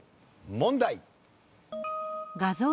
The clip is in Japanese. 問題。